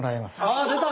あ出た！